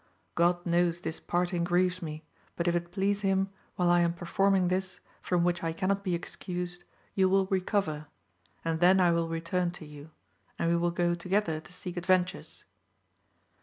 God knows this parting grieves me, but if it please him, while I am performing this, from which I cannot be excused, you will recover, and then I will return to you, and we will go together to seek adventures.